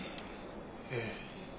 ええ。